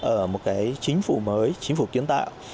ở một cái chính phủ mới chính phủ kiến tạo